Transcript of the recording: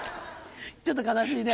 ちょっと悲しいね。